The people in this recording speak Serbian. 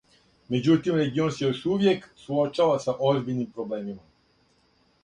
Меđутим, регион се још увијек суочава са озбиљним проблемима.